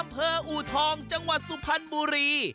อำเภออูทองจังหวัดสุพรรณบุรี